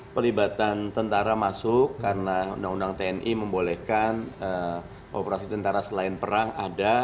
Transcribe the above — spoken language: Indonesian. pelibatan tentara masuk karena undang undang tni membolehkan operasi tentara selain perang ada